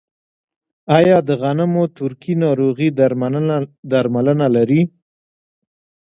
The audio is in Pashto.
آیا د غنمو تورکي ناروغي درملنه لري؟